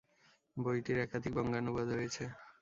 বইটির একাধিক বঙ্গানুবাদ হয়েছে।